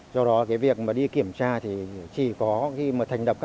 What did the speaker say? do đó cái việc mà đi kiểm tra thì chỉ có khi mà thành rao được